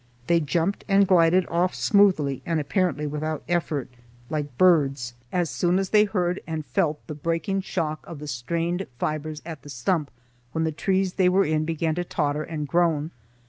They jumped and glided off smoothly and apparently without effort, like birds, as soon as they heard and felt the breaking shock of the strained fibres at the stump, when the trees they were in began to totter and groan.